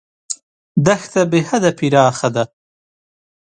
دښته بېحده پراخه ده.